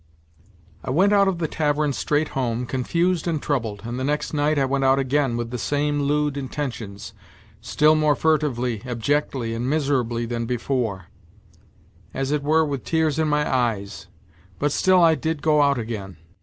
I went out of the tavern straight home, confused and troubled, and the next night I went out again with the same lewd inten tions, still more furtively, abjectly and miserably than before, as it were, with tears in my eyes but still I did go out again.